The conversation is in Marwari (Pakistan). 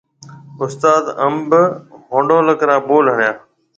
استاد انب ھونڍولڪ را ٻول ۿڻيا